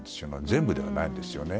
全部ではないんですよね。